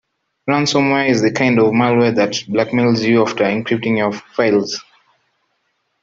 Ransomware is the kind of malware that blackmails you after encrypting your files.